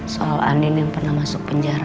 soal anin yang pernah masuk penjara